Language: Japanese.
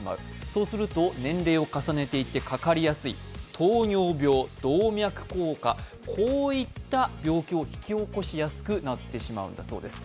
そうすると年齢を重ねていってかかりやすい糖尿病、動脈硬化、こういった病気を引き起こしやすくなってしまうんだそうです。